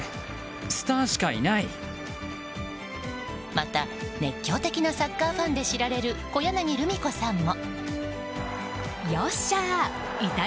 また、熱狂的なサッカーファンで知られる小柳ルミ子さんも。